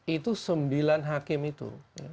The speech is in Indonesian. itu sembilan hakim itu